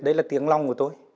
đấy là tiếng lòng của tôi